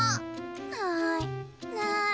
ないない。